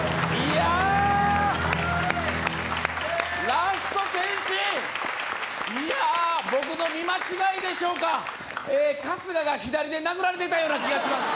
ラスト、天心、いや、僕の見間違いでしょうか、春日が左で殴られてたような気がします。